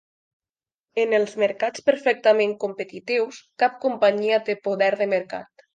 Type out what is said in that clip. En els mercats perfectament competitius, cap companyia té poder de mercat.